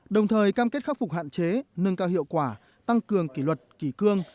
đồng thời cam kết khắc phục hạn chế nâng cao hiệu quả tăng cường kỷ luật kỷ cương